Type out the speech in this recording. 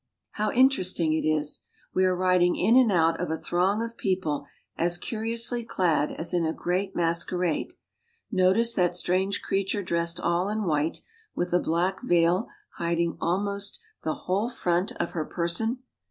How interesting it is ! We are riding in and out of a throng of people as curiously clad as in a great mas ^erade. Notice that strange creature dressed all in Ite with a black veil hiding almost the whole froat qI 1 50 AFRICA her person.